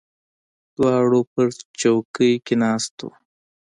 دواړه په څوکۍ کې ناست یو.